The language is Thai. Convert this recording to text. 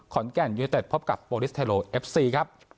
แก่นยูเนเต็ดพบกับโปรลิสเทโลเอฟซีครับ